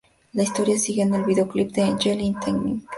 La historia sigue en el videoclip de Angel in the Night.